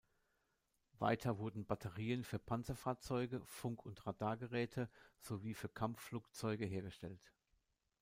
Weiter wurden Batterien für Panzerfahrzeuge, Funk- und Radargeräte, sowie für Kampfflugzeuge hergestellt.